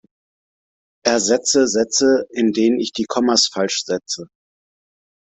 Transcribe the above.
Ersetze Sätze, in denen ich die Kommas falsch setze!